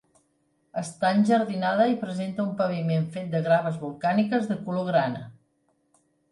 Està enjardinada i presenta un paviment fet de graves volcàniques de color grana.